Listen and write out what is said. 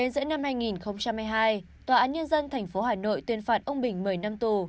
giữa năm hai nghìn hai mươi hai tòa án nhân dân tp hà nội tuyên phạt ông bình một mươi năm tù